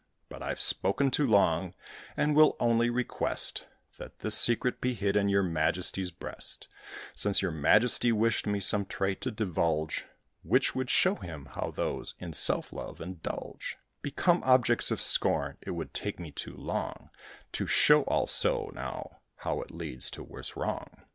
But I've spoken too long, and will only request That this secret be hid in your Majesty's breast: Since your Majesty wished me some trait to divulge, Which would show him how those who in self love indulge Become objects of scorn; it would take me too long To show also, now, how it leads to worse wrong."